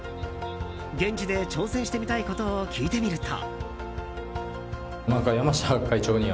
現地で挑戦してみたいことを聞いてみると。